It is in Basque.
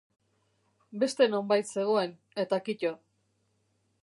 Beste nonbait zegoen, eta kito.